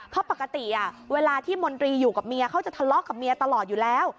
เพราะปกติเวลาที่มนตรีอยู่กับเมียเขาจะทะเลาะกับเมียตลอดอยู่แล้ว